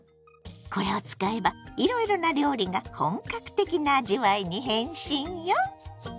これを使えばいろいろな料理が本格的な味わいに変身よ！